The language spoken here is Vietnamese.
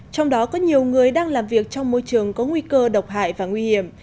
trong đó có nhiều người đang làm việc trong môi trường có nguy cơ độc hại và nguy hiểm